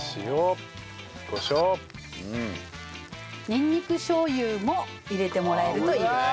にんにくしょう油も入れてもらえるといいです。